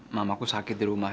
mamaku sakit di rumah